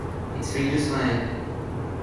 It's free to smile.